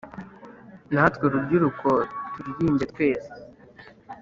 natwe rubyiruko turirimbe twese